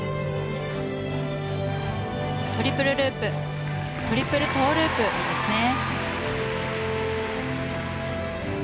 トリプルループトリプルトウループいいですね。